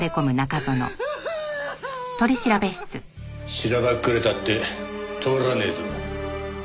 しらばっくれたって通らねえぞ。